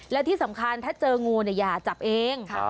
และที่สำคัญถ้าเจองูอย่าจับเอง